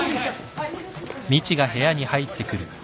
はい。